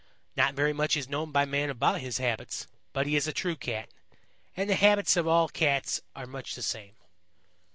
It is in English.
Not very much is known by man about his habits, but he is a true Cat, and the habits of all Cats are much the same."